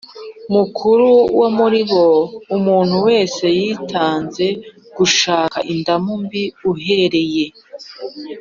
Mukuru wo muri bo umuntu wese yitanze gushaka indamu mbi uhereye